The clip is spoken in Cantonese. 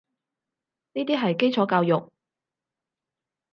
呢啲係基礎教育